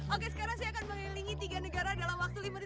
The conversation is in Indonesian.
oke sekarang saya akan mengelilingi tiga negara dalam waktu lima menit